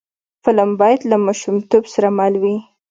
فلم باید له ماشومتوب سره مل وي